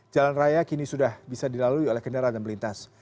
jalan raya kini sudah bisa dilalui oleh kendaraan yang melintas